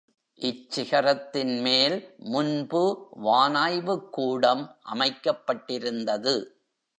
இச் சிகரத்தின் மேல், முன்பு வானாய்வுக்கூடம் அமைக்கப்பட்டிருந்தது.